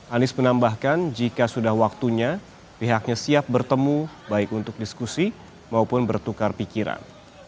anies menambahkan jika sudah waktunya pihaknya siap bertemu baik untuk diskusi maupun bertukar pikiran